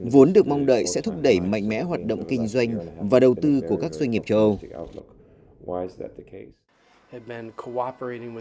vốn được mong đợi sẽ thúc đẩy mạnh mẽ hoạt động kinh doanh và đầu tư của các doanh nghiệp châu âu